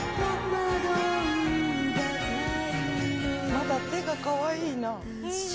まだ手がかわいいな。